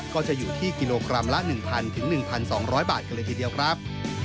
ก็จะอยู่ที่๑๐๐๐ถึง๑๒๐๐บาทกลิ่นทีเดียวครับ